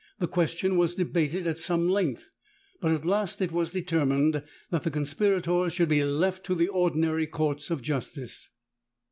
The question was debated at some length; but at last it was determined, that the conspirators should be left to the ordinary courts of justice.